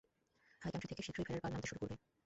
High country থেকে শীঘ্রই ভেড়ার পাল নামতে শুরু করবে।